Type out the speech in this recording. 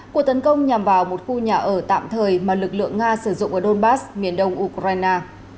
cuộc tấn công nhằm vào một khu nhà ở tạm thời mà lực lượng nga sử dụng ở donbass miền đông ukraine